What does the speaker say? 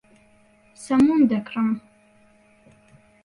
سەمون دەکڕم.